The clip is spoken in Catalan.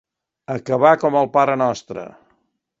Acabar com el Pare Nostre.